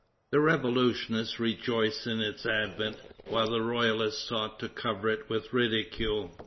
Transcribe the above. The revolutionists rejoiced in its advent, while the royalists sought to cover it with ridicule.